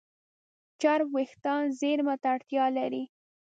چرب وېښتيان زېرمه ته اړتیا لري.